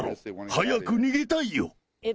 早く逃げたいよ。